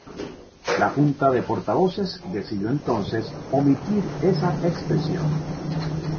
La Junta de Portavoces decidió entonces omitir esa expresión.